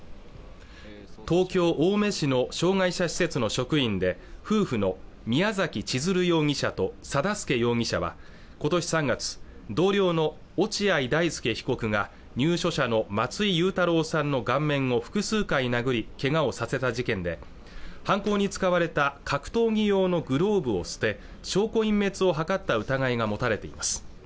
東京青梅市の障害者施設の職員で夫婦の宮崎千鶴容疑者と定助容疑者は今年３月同僚の落合大丞被告が入所者の松井祐太朗さんの顔面を複数回殴りけがをさせた事件で犯行に使われた格闘技用のグローブを捨て証拠隠滅を図った疑いが持たれています